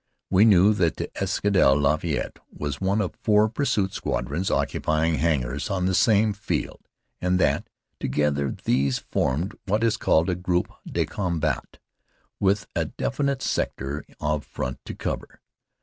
We knew that the Escadrille Lafayette was one of four pursuit squadrons occupying hangars on the same field, and that, together, these formed what is called a groupe de combat, with a definite sector of front to cover.